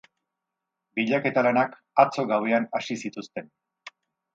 Bilaketa lanak atzo gauean hasi zituzten.